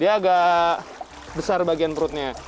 agak besar bagian perutnya